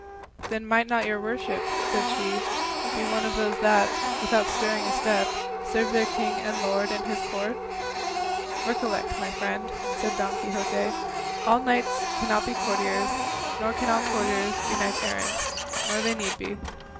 "Then might not your worship," said she, "be one of those that, without stirring a step, serve their king and lord in his court?" "Recollect, my friend," said Don Quixote, "all knights cannot be courtiers, nor can all courtiers be knights errant, nor need they be.